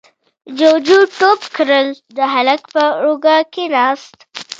جُوجُو ټوپ کړل، د هلک پر اوږه کېناست: